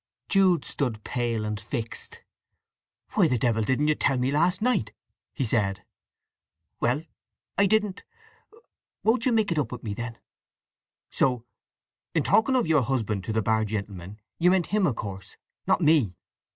Jude stood pale and fixed. "Why the devil didn't you tell me last, night!" he said. "Well—I didn't… Won't you make it up with me, then?" "So in talking of 'your husband' to the bar gentlemen you meant him, of course—not me!"